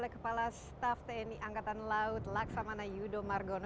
kepala tni angkatan laut laksamana yudho margono